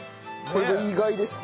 意外ですね。